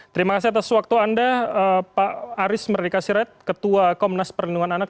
terima kasih atas waktu anda pak aris merdeka sirait ketua komnas perlindungan anak